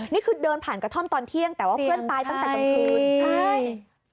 นี่คือเดินผ่านกระท่อมตอนเที่ยงแต่ว่าเพื่อนตายตั้งแต่กลางคืนใช่